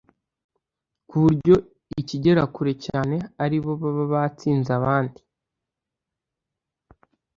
ku buryo ikigera kure cyane ari bo baba batsinze abandi